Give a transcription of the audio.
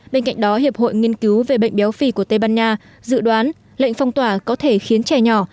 bên cạnh đó hiệp hội nghiên cứu về bệnh béo phì của tây ban nha dự đoán lệnh phong tỏa có thể khiến trẻ nhỏ